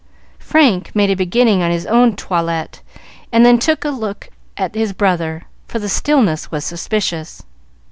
Frank made a beginning on his own toilet, and then took a look at his brother, for the stillness was suspicious.